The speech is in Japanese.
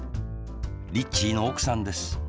リッチーのおくさんです